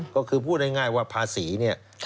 ก็คือพูดง่ายว่าภาษีเนี่ย